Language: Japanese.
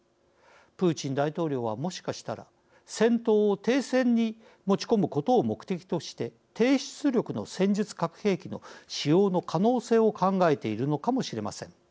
プーチン大統領はもしかしたら戦闘を停戦に持ち込むことを目的として低出力の戦術核兵器の使用の可能性を考えているのかもしれません。